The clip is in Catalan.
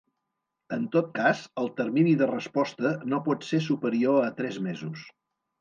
En tot cas, el termini de resposta no pot ser superior a tres mesos.